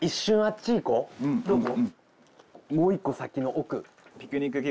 どこ？